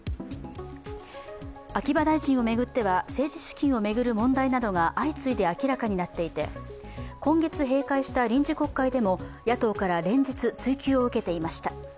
秋葉大臣を巡っては政治資金を巡る問題などが相次いで明らかになっていて今月閉会した臨時国会でも野党から連日、追及を受けていました。